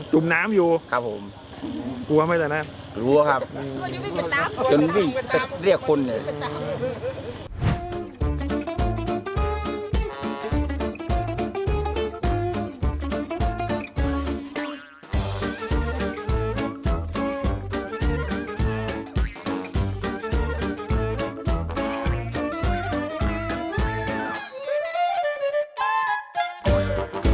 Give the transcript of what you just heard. จุ่มน้ำอยู่ครับผมกลัวไม่ได้นะครับกลัวครับจนวิ่งเรียกคนเลย